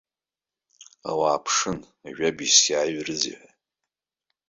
Ауаа ԥшын ажәабжьс иааҩрызеи ҳәа.